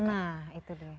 nah itu dia